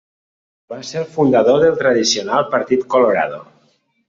Va ser el fundador del tradicional Partit Colorado.